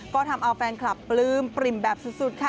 ก็ทำเอาแฟนคลับปลื้มปริ่มแบบสุดค่ะ